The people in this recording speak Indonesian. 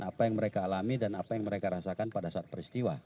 apa yang mereka alami dan apa yang mereka rasakan pada saat peristiwa